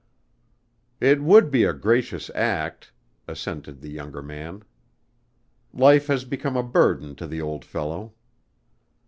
"It would be a gracious act," assented the younger man. "Life has become a burden to the old fellow."